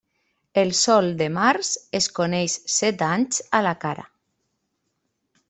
El sol de març es coneix set anys a la cara.